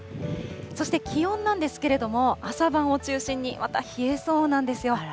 そして気温なんですけれども、朝晩を中心にまた冷えそうなんですよ。